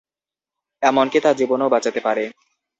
এমনকি তা জীবনও বাঁচাতে পারে।